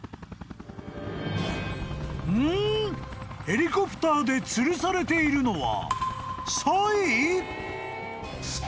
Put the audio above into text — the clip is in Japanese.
ヘリコプターでつるされているのは］